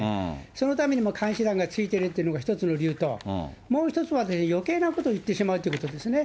そのためにも監視団がついてるというのが一つの理由と、もう一つは、よけいなことを言ってしまうということですね。